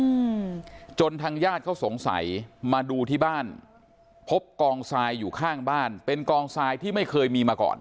อืมจนทางญาติเขาสงสัยมาดูที่บ้านพบกองทรายอยู่ข้างบ้านเป็นกองทรายที่ไม่เคยมีมาก่อน